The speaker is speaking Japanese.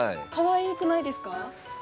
かわいくないですか？